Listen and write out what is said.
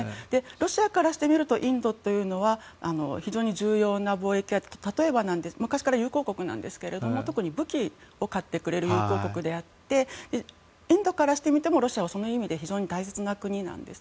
ロシアからしてみるとインドというのは非常に重要な貿易相手で昔から友好国なんですが特に武器を買ってくれる友好国であってインドからしてもロシアはその意味からも大切な国なんです。